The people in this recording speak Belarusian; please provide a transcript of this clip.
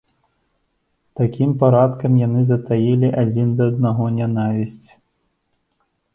Такім парадкам яны затаілі адзін да аднаго нянавісць.